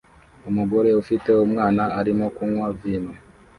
Umugore ufite umwana arimo kunywa vino